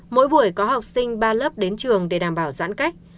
mỗi buổi có học sinh ba lớp đến trường để đảm bảo giãn cách